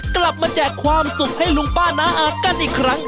แจกความสุขให้ลุงป้าน้าอากันอีกครั้ง